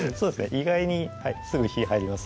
意外にすぐ火ぃ入ります